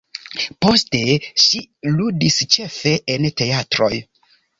Poste ŝi ludis ĉefe en teatroj.